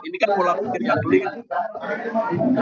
ini kan pola pikir yang berikut